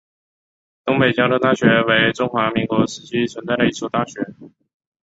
东北交通大学为中华民国时期存在的一所大学。